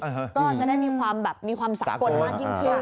ก็จะได้มีความสะกดมากยิ่งเพียง